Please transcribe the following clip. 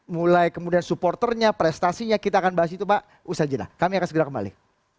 mulai kemudian supporternya prestasinya kita akan bahas itu pak usai jeda kami akan segera kembali